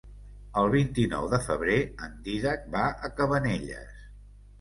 El vint-i-nou de febrer en Dídac va a Cabanelles.